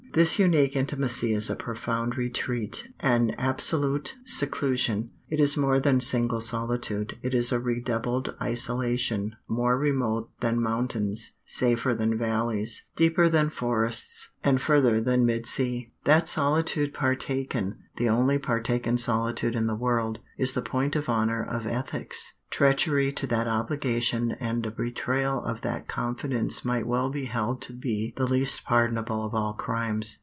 This unique intimacy is a profound retreat, an absolute seclusion. It is more than single solitude; it is a redoubled isolation more remote than mountains, safer than valleys, deeper than forests, and further than mid sea. That solitude partaken the only partaken solitude in the world is the Point of Honour of ethics. Treachery to that obligation and a betrayal of that confidence might well be held to be the least pardonable of all crimes.